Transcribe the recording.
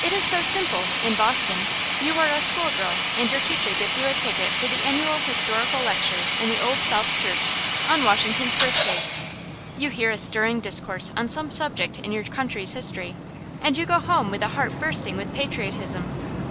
It is so simple, in Boston! You are a school girl, and your teacher gives you a ticket for the annual historical lecture in the Old South Church, on Washington's Birthday. You hear a stirring discourse on some subject in your country's history, and you go home with a heart bursting with patriotism.